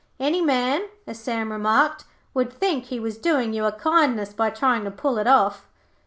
'Any man,' as Sam remarked, 'would think he was doing you a kindness by trying to pull it off.'